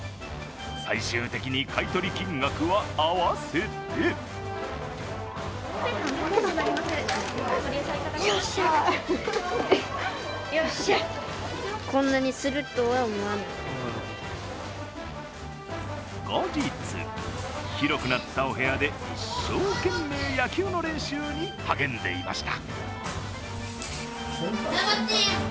最終的に買い取り金額は合わせて後日、広くなったお部屋で一生懸命野球の練習に励んでいました。